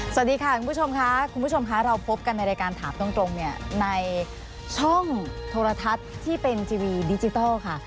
สวัสดีค่ะคุณผู้ชมค่ะคุณผู้ชมค่ะเราพบกันในรายการถามตรงเนี่ยในช่องโทรทัศน์ที่เป็นทีวีดิจิทัลค่ะ